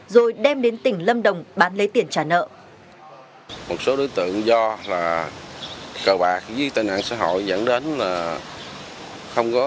rồi đem đến tỉnh lâm đồng bán lấy tiền trả nợ